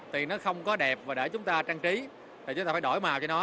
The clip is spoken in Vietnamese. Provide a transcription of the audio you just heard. thì nó không có đẹp và để chúng ta trang trí thì chúng ta phải đổi màu cho nó